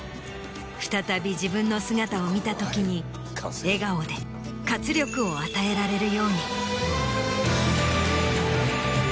再び自分の姿を見た時に笑顔で活力を与えられるように。